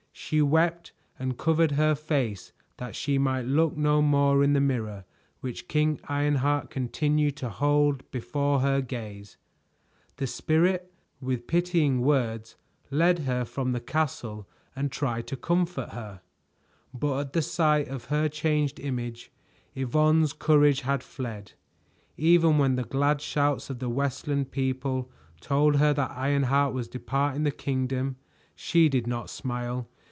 She wept and covered her face that she might look no more in the mirror which King Ironheart continued to hold before her gaze. The Spirit, with pitying words, led her from the castle and tried to comfort her; but at the sight of her changed image, Yvonne's courage had fled. Even when the glad shouts of the Westland people told her that Ironheart was departing the kingdom, she did not smile.